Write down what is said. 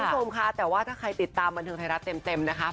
คุณผู้ชมค่ะแต่ว่าถ้าใครติดตามบันเทิงไทยรัฐเต็มนะคะ